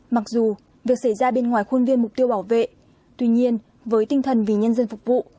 mặc dù việc xảy ra bên ngoài khuôn viên mục tiêu bảo vệ tuy nhiên với tinh thần vì nhân dân phục vụ